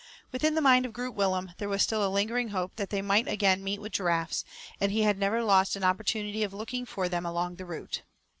Within the mind of Groot Willem, there was still a lingering hope that they might again meet with giraffes; and he had never lost an opportunity of looking for them along the route.